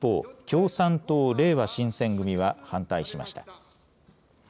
一方、共産党、れいわ新選組は反対しました。